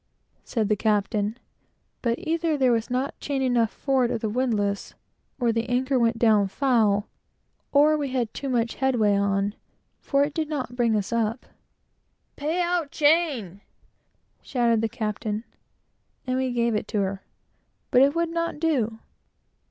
said the captain but either there was not chain enough forward of the windlass, or the anchor went down foul, or we had too much headway on, for it did not bring us up. "Pay out chain!" shouted the captain; and we gave it to her; but it would not do.